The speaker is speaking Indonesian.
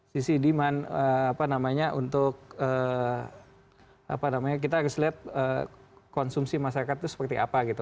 sisi demand apa namanya untuk apa namanya kita harus lihat konsumsi masyarakat itu seperti apa gitu